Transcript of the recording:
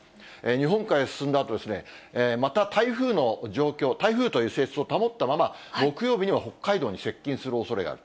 日本海へ進んだあと、また台風の状況、台風という性質を保ったまま、木曜日には北海道に接近するおそれがある。